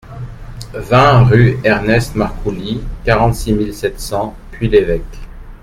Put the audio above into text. vingt rue Ernest Marcouly, quarante-six mille sept cents Puy-l'Évêque